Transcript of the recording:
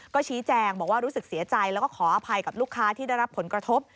ก็ชี้แจงบอกว่ารู้สึกเสียใจแล้วก็ขออภัยกับลูกค้าที่ได้รับผลกระทบ